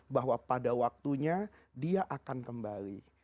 bahwa pada waktunya dia akan kembali